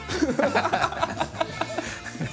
ハハハハ！